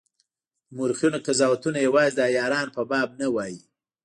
د مورخینو قضاوتونه یوازي د عیارانو په باب نه وای.